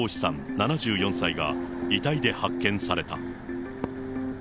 ７４歳が遺体で発見された。